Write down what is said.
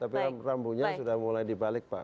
tapi rambunya sudah mulai dibalik pak